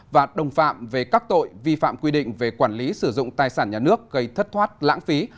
và đồng phạm về các tội vi phạm quy định về quản lý sử dụng tài sản nhà nước gây thất thoát lãng phí